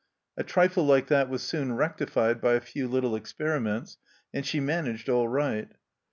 A trifle like that was soon rectified by a few little experiments, and she managed all right.